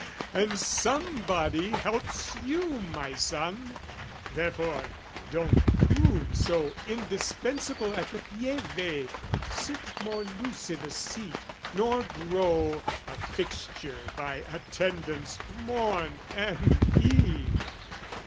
and somebody helps you, my son! "Therefore, don't prove so indispensable "At the Pieve, sit more loose i' the seat, nor grow "A fixture by attendance morn and eve!